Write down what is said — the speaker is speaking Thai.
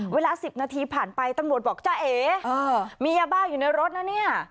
เวลา๑๐นาทีผ่านไปตำรวจบอกจ้าเอมียาบ้าอยู่ในรถนะเนี่ย